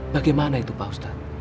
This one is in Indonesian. bagaimana itu pak ustaz